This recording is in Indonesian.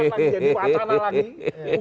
jadi batana lagi